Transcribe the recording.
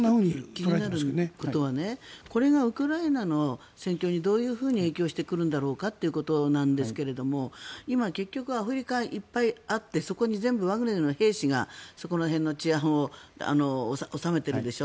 気になることはこれがウクライナの戦況にどう影響してくるかということなんですが今、結局アフリカいっぱいあってそこに全部、ワグネルの兵士がそこら辺の治安を治めているでしょ。